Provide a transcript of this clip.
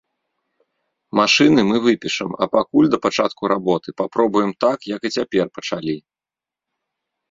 Машыны мы выпішам, а пакуль, да пачатку работы, папробуем так, як і цяпер пачалі.